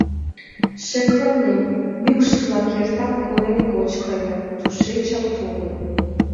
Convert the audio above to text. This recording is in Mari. Шекланем: мӱкш-влак эртак корем гоч каят, тушечак толыт.